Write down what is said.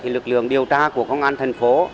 lực lượng điều tra của công an thành phố